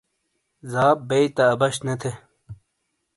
زاپ بئیی تا، عبش نے تھے۔